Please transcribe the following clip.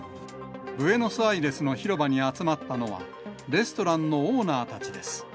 ブエノスアイレスの広場に集まったのは、レストランのオーナーたちです。